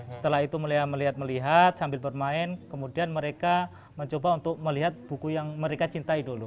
setelah itu melihat melihat sambil bermain kemudian mereka mencoba untuk melihat buku yang mereka cintai dulu